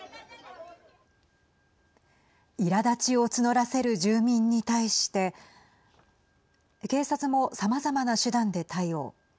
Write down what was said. いらだちを募らせる住民に対して警察もさまざまな手段で対応。